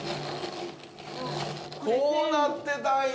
こうなってたんや！